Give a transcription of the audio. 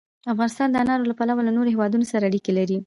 افغانستان د انارو له پلوه له نورو هېوادونو سره اړیکې لري.